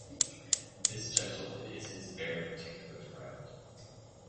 This gentleman is his very particular friend.